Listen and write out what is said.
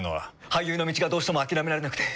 俳優の道がどうしても諦められなくて。